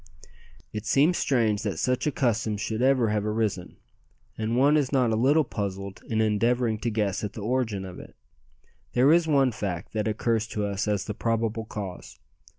It seems strange that such a custom should ever have arisen, and one is not a little puzzled in endeavouring to guess at the origin of it. There is one fact that occurs to us as the probable cause.